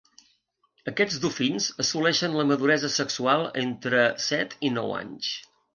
Aquests dofins assoleixen la maduresa sexual a entre els set i nou anys.